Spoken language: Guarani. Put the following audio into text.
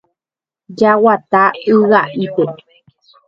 Jeguata yga'ípe.